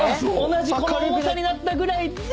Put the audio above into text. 同じ重さになったぐらいに。